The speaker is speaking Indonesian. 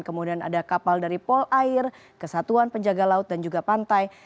kemudian ada kapal dari pol air kesatuan penjaga laut dan juga pantai